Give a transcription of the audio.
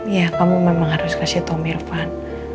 ya kamu memang harus kasih tau om irfan